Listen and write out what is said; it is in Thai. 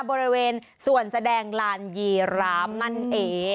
บริเวณส่วนแสดงลานยีราฟนั่นเอง